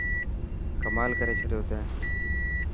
ڪمال ڪري ڇڏيو تين.